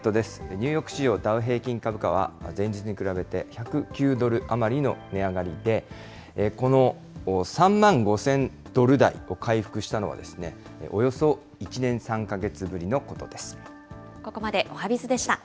ニューヨーク市場ダウ平均株価は、前日に比べて１０９ドル余りの値上がりで、この３万５０００ドル台を回復したのは、およそ１年３か月ぶりのことです。